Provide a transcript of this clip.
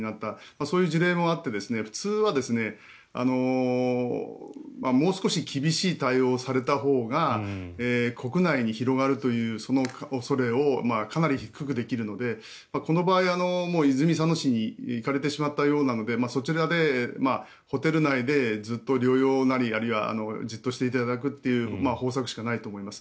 そういう事例もあって普通は、もう少し厳しい対応をされたほうが国内に広がるという恐れをかなり低くできるのでこの場合は泉佐野市に行かれてしまったようなのでそちらでホテル内でずっと療養なりあるいはじっとしていただくという方策しかないと思います。